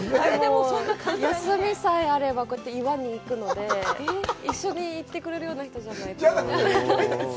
休みさえあればこうやって岩に行くので、一緒に行ってくれるような人じゃないと。